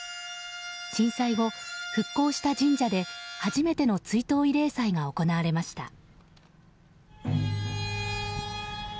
震災後、復興した神社で初めての追悼慰霊祭が行われました。